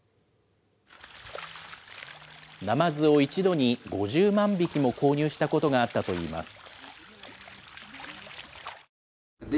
ナマズを一度に５０万匹も購入したことがあったといいます。